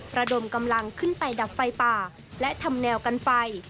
ระดมกำลังขึ้นไปดับไฟป่าและทำแนวกันไฟ